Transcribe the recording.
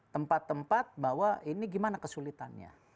tempat tempat bahwa ini gimana kesulitannya